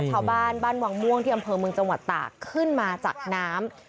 ชาวบ้านบ้านวังม่วงที่อำเภอเมืองจังหวัดตากขึ้นมาจากน้ำ